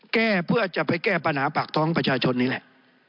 แก้เพื่อจะไปแก้ปัญหาปากท้องประชาชนนี่แหละ